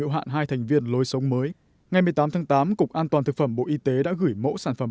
hiệu hạn hai thành viên lối sống mới ngày một mươi tám tháng tám cục an toàn thực phẩm bộ y tế đã gửi mẫu sản phẩm